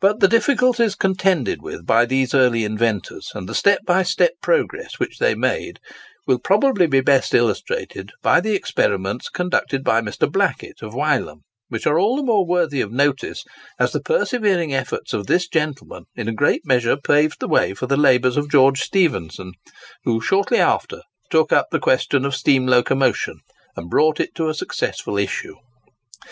But the difficulties contended with by these early inventors, and the step by step progress which they made, will probably be best illustrated by the experiments conducted by Mr. Blackett, of Wylam, which are all the more worthy of notice, as the persevering efforts of this gentleman in a great measure paved the way for the labours of George Stephenson, who, shortly after, took up the question of steam locomotion, and brought it to a successful issue.